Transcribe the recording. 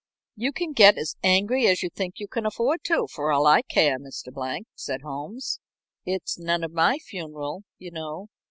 "You can get as angry as you think you can afford to, for all I care, Mr. Blank," said Holmes. "It's none of my funeral, you know."